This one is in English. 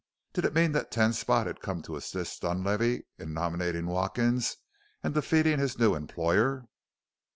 Did it mean that Ten Spot had come to assist Dunlavey in nominating Watkins and defeating his new employer?